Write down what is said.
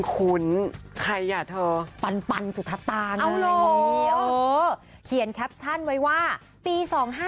คุ้นใครอะเธอปันสุทธาตาเอาหรอเออเขียนแคปชั่นไว้ว่าปี๒๕๔๗